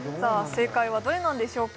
正解はどれなんでしょうか？